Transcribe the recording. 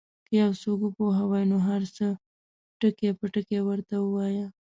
که یو څوک وپوهوې نو هر څه ټکي په ټکي ورته ووایه.